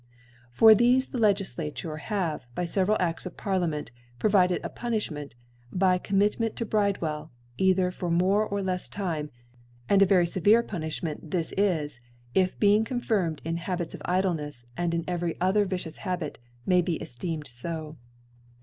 For thefe the LegiQamre have, by fcve ral A(5ts of Parliament provided a Punifh* ment, by Commitment to BriitweU cither for more or lefi Time.: And a very fevefe Punilhment this is, if being confirmed in Habits of Idlenefs, and in every other vi* dous Habit, may be cfteemcd fo.